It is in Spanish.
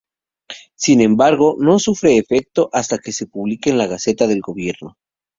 Sin embargo, no surte efecto hasta que se publique en la Gaceta del Gobierno.